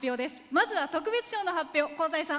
まずは特別賞の発表。